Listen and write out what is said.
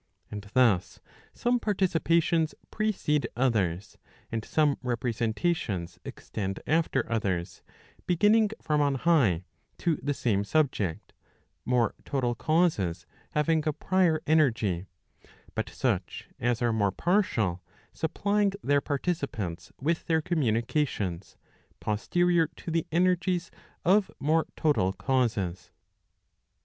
And thus some participations precede others, and some representations extend after others, beginning from on high, to the same subject, more total causes having a prior energy, but such as are more partial, supplying their participants with their communications, posterior to the energies of more total causes.